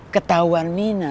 ketawa sama dia